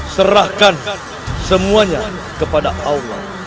serahkan semuanya kepada allah